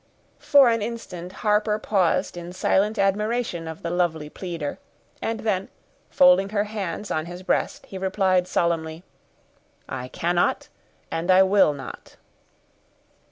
For an instant Harper paused in silent admiration of the lovely pleader, and then, folding her hands on his breast, he replied solemnly, "I cannot, and I will not."